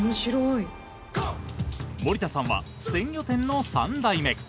森田さんは鮮魚店の３代目。